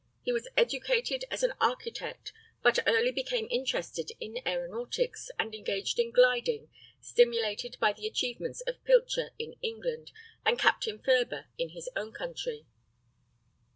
He was educated as an architect, but early became interested in aeronautics, and engaged in gliding, stimulated by the achievements of Pilcher, in England, and Captain Ferber, in his own country.